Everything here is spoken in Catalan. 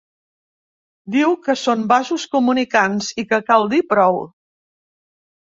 Diu que són vasos comunicants i que cal dir prou.